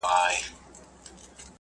او ښكنځاوي ګراني!